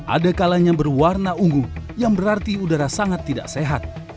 ada kalanya berwarna ungu yang berarti udara sangat tidak sehat